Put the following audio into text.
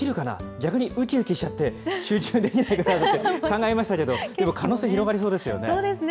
逆にうきうきしちゃって、集中できないんじゃないかって考えましたけど、でも可能性、広がりそうですよね。